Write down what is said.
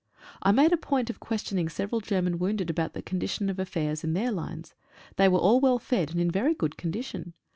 I made a point of questioning several German wounded about the condition of affairs in their lines. They were all well fed, and in very good condition.